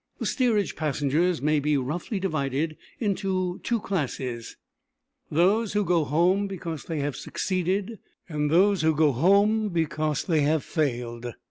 The steerage passengers may be roughly divided into two classes: those who go home because they have succeeded, and those who go home because they have failed.